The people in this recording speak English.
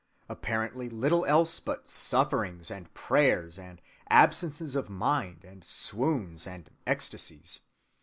Apparently little else but sufferings and prayers and absences of mind and swoons and ecstasies.